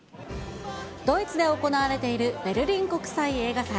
ドイツで行われているベルリン国際映画祭。